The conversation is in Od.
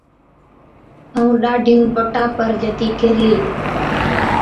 ائُون ڏاڍِيُون پٽا پر جتِي ڪِرتِي پلَي۔